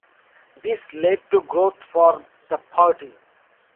This led to growth for the party.